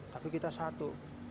tapi kita satu